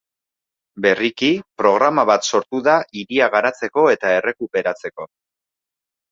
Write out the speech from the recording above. Berriki, programa bat sortu da hiria garatzeko eta errekuperatzeko.